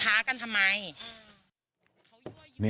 ้ากันทำไม